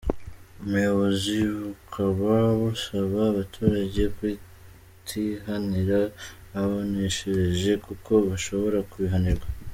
Ubuyobozi bukaba busaba abaturage kutihanira ababoneshereje kuko bashobora kubihanirwa.